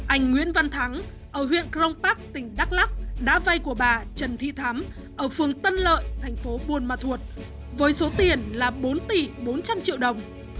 anh nguyễn văn thắng ở huyện crong park tỉnh đắk lắc đã vay của bà trần thị thắm ở phường tân lợi thành phố buôn ma thuột với số tiền là bốn tỷ bốn trăm linh triệu đồng